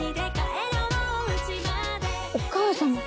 お母様。